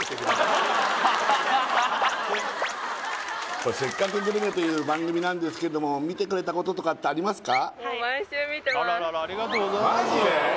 これ「せっかくグルメ！！」という番組なんですけどもみてくれたこととかってありますか？